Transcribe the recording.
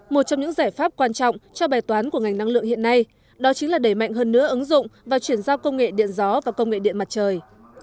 một trong những giải pháp quan trọng cho bài toán của ngành năng lượng hiện nay đó chính là đẩy mạnh hơn nữa ứng dụng và chuyển giao công nghệ điện gió và công nghệ điện mặt trời